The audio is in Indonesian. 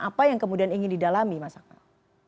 apa yang kemudian ingin didalami mas akmal